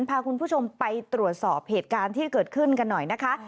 พาคุณผู้ชมไปตรวจสอบเหตุการณ์ที่เกิดขึ้นกันหน่อยนะคะ